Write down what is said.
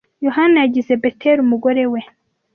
Yohana yagize Beteli umugore we.